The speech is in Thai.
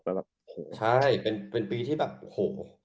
ใช่เป็นปีที่แบบโอ้โห